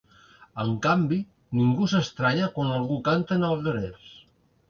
En canvi, ningú s’estranya quan algú canta en alguerès.